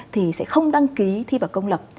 thì sẽ không đăng ký thi vào công lập